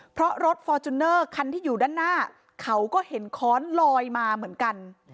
เพราะรถฟอร์จูเนอร์คันที่อยู่ด้านหน้าเขาก็เห็นค้อนลอยมาเหมือนกัน